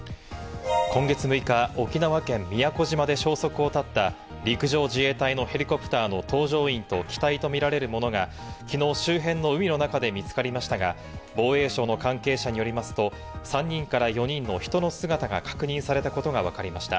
今月６日、沖縄県宮古島で消息を絶った陸上自衛隊のヘリコプターの搭乗員と機体とみられるものが昨日、周辺の海の中で見つかりましたが、防衛省の関係者によりますと３人から４人の人の姿が確認されたことがわかりました。